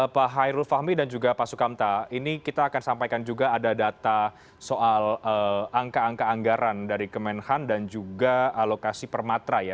pak hairul fahmi dan juga pak sukamta ini kita akan sampaikan juga ada data soal angka angka anggaran dari kemenhan dan juga alokasi permatra ya